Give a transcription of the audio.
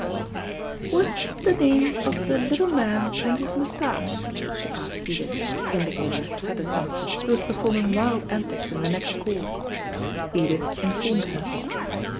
"What's the name of the little man and his moustache?" she asked Edith, indicating Mr. Featherstone, who was performing wild antics in the next court. Edith informed her.